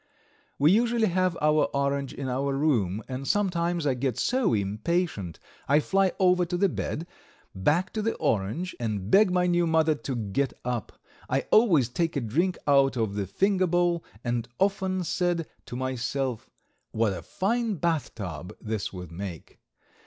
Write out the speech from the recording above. We usually have our orange in our room, and sometimes I get so impatient I fly over to the bed, back to the orange, and beg my new mother to get up. I always take a drink out of the finger bowl and often said to myself, "What a fine bathtub this would make."